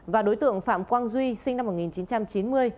và đối tượng phạm quang duy sinh năm một nghìn chín trăm tám mươi sáu